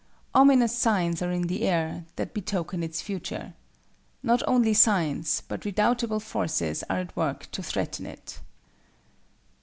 Ominous signs are in the air, that betoken its future. Not only signs, but redoubtable forces are at work to threaten it.